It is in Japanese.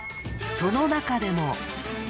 その中でも。